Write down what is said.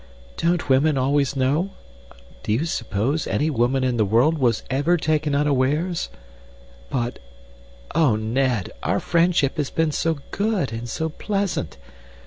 "Don't women always know? Do you suppose any woman in the world was ever taken unawares? But oh, Ned, our friendship has been so good and so pleasant!